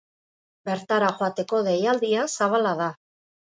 Bertara joateko deialdia zabala da.